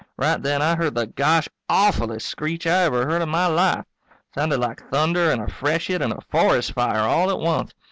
Right then I heard the gosh awfullest screech I ever heard in my life. Sounded like thunder and a freshet and a forest fire all at once.